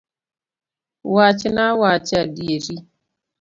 Wachna awacha adieri.